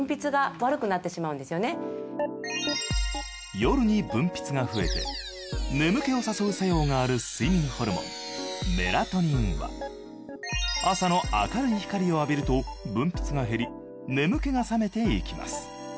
夜に分泌が増えて眠気を誘う作用がある睡眠ホルモンメラトニンは朝の明るい光を浴びると分泌が減り眠気が覚めていきます。